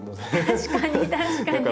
確かに確かに。